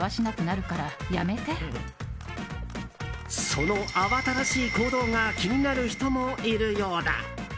その慌ただしい行動が気になる人もいるようだ。